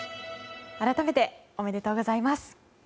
改めて、おめでとうございます。